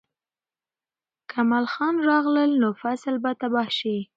که ملخان راغلل، نو فصل به تباه شي.